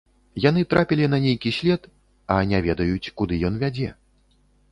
Яны трапілі на нейкі след, а не ведаюць, куды ён вядзе.